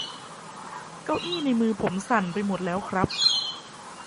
เก้าอี้ในมือผมสั่นไปหมดแล้วครับ